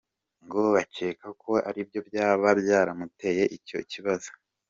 Ngo bakeka ko aribyo byaba byaramuteye icyo kibazo.